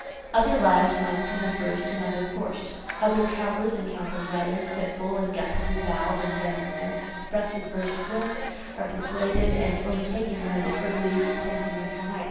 Other lives run from the first another course. Other travellers encounter weather fitful and gusty, wild and variable—breast adverse winds, are belated and overtaken by the early closing winter night.